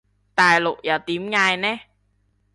大陸又點嗌呢？